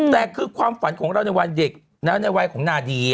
แต่คือความฝันของเราในวันเด็กในวัยของนาดี